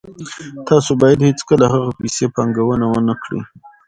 تاسو باید هیڅکله هغه پیسې پانګونه ونه کړئ